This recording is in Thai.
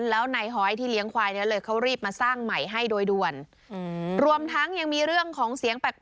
แล้วนายฮอยที่เลี้ยงควายได้เลย